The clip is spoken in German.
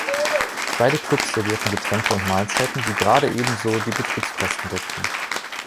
Beide Clubs servierten Getränke und Mahlzeiten, die gerade ebenso die Betriebskosten deckten.